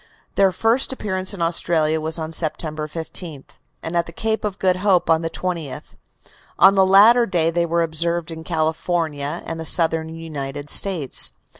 Their first appearance in Australia was on September 15th, and at the Cape of Good Hope on the 20th. On the latter day they were observed in California and the Southern United States.